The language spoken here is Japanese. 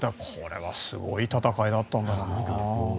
これはすごい戦いだったんだろうな。